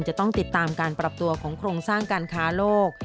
จะต้องติดตามการปรับตัวของโครงสร้างการค้าโลก